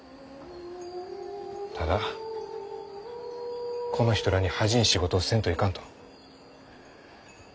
ただこの人らに恥じん仕事をせんといかんと。